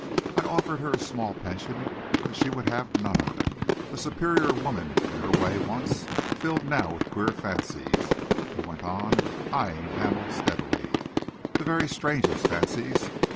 I offered her a small pension, but she would have none of it. A superior woman in her way once, filled now with queer fancies," he went on, eyeing Hamel steadily, "the very strangest fancies.